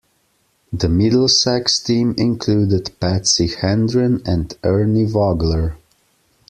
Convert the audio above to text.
The Middlesex team included Patsy Hendren and Ernie Vogler.